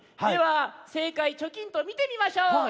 ではせいかいチョキンとみてみましょう。